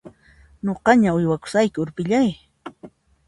Nuqaña uywakusqayki urpillay!